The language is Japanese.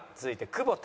久保田。